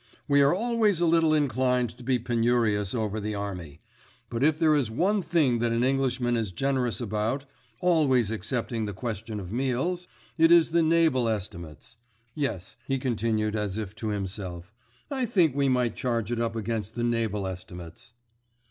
"We are always a little inclined to be penurious over the Army; but if there is one thing that an Englishman is generous about—always excepting the question of meals—it is the Naval Estimates. Yes," he continued, as if to himself, "I think we might charge it up against the Naval Estimates.